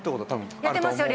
やってますよ